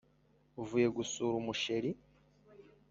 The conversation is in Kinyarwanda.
uvuye gusura umusheri”